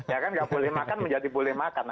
ya kan nggak boleh makan menjadi boleh makan